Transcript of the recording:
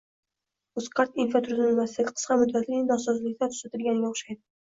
Uzcard infratuzilmasidagi qisqa muddatli nosozliklar tuzatilganga o'xshaydi